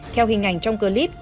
theo hình ảnh trong clip